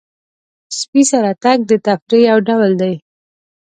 سپي سره تګ د تفریح یو ډول دی.